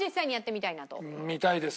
見たいですね。